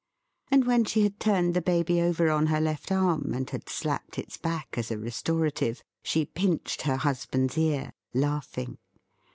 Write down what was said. And when she had turned the Baby over on her left arm, and had slapped its back as a restorative, she pinched her husband's ear, laughing.